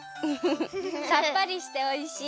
さっぱりしておいしい！